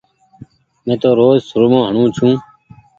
مي تو روز سرمو هڻو ڇون ۔